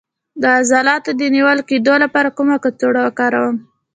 د عضلاتو د نیول کیدو لپاره کومه کڅوړه وکاروم؟